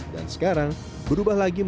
dan sekarang berubah lagi